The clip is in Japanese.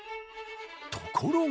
ところが！